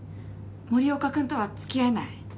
森岡君とは付き合えない。